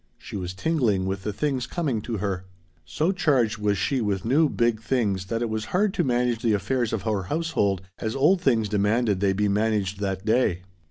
She was tingling with the things coming to her. So charged was she with new big things that it was hard to manage the affairs of her household as old things demanded they be managed that day.